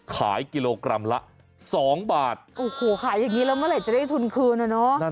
ขายกิโลกรัมละสองบาทโอ้โหขายอย่างนี้แล้วเมื่อไหร่จะได้ทุนคืนอ่ะเนอะ